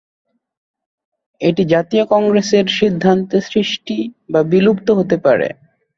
এটি জাতীয় কংগ্রেসের সিদ্ধান্তে সৃষ্টি বা বিলুপ্ত হতে পারে।